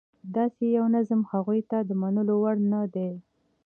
داسې یو نظام هغوی ته د منلو وړ نه دی.